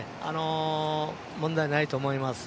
問題ないと思います。